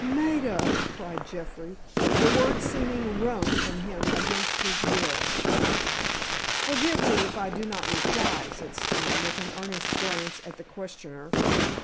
"Maida!" cried Jeffrey, the word seeming wrung from him against his will. "Forgive me, if I do not reply," said Stone, with an earnest glance at the questioner.